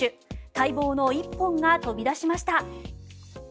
待望の１本が飛び出しました。